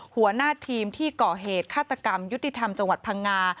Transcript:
หัวหน้าทีมที่ก่อเหตุฆาตกรรมยุติธรรมจังหวัดพังงา